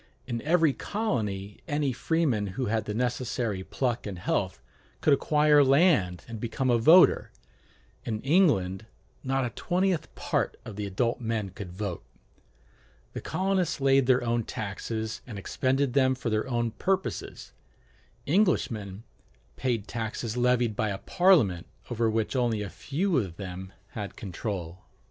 In every colony any freeman who had the necessary pluck and health could acquire land and become a voter: in England not a twentieth part of the adult men could vote. The colonists laid their own taxes and expended them for their own purposes: Englishmen paid taxes levied by a Parliament over which only a few of them had control.